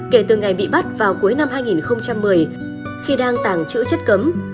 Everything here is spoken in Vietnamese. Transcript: kể từ ngày bị bắt vào cuối năm hai nghìn một mươi khi đang tàng trữ chất cấm